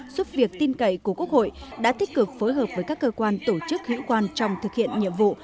giúp việc tin cậy của quốc hội đã tích cực phối hợp với các cơ quan tổ chức hữu quan trong thực hiện nhiệm vụ